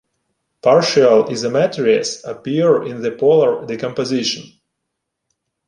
Partial isometries appear in the polar decomposition.